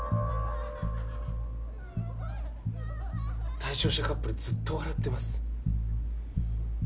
・対象者カップルずっと笑ってます。